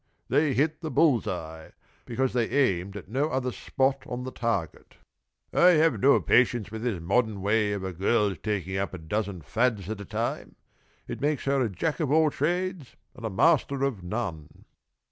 They hit the bull's eye, because they aimed at no other spot on the target. I have no patience with this modern way of a girl's taking up a dozen fads at a time. It makes her a jack at all trades and a master of none."